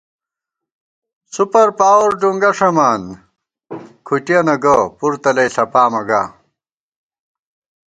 سُپر پاوَر ڈُنگہ ݭَمان، کُھٹِیَنہ گہ، پُر تلَئ ݪپامہ گا